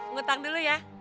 ngutang dulu ya